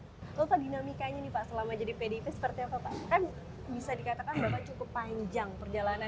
loh pak dinamikanya nih pak selama jadi pdi pdi seperti apa pak